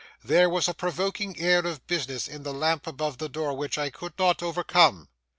There was a provoking air of business in the lamp above the door which I could not overcome.